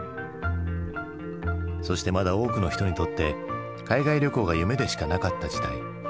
そしてまだ多くの人にとって海外旅行が夢でしかなかった時代。